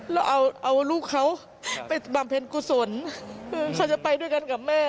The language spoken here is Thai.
เราเอาลูกเขาไปบำเพ็ญกุศลเขาจะไปด้วยกันกับแม่